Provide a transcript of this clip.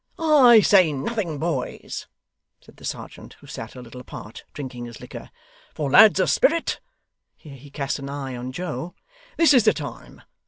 'I say nothing, boys,' said the serjeant, who sat a little apart, drinking his liquor. 'For lads of spirit' here he cast an eye on Joe 'this is the time.